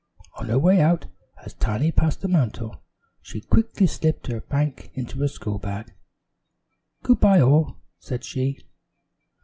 On her way out as Tiny passed the mantel, she quickly slipped her bank into her school bag. "Good by, all," said she.